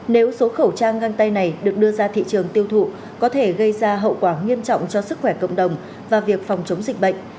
nếu số khẩu trang găng tay này được đưa ra thị trường tiêu thụ có thể gây ra hậu quả nghiêm trọng cho sức khỏe cộng đồng và việc phòng chống dịch bệnh